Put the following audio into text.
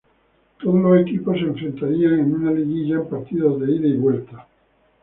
Todos los equipos se enfrentarían en una liguilla en partidos de ida y vuelta.